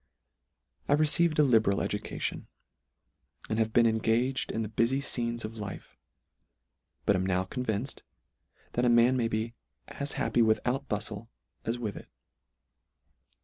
I received a liberal education, and have been engaged in the bufy fcenes of life: But am now convinced, that a man may be as happy without buftle, as with it.